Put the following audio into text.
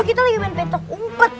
kita lagi main petok umpet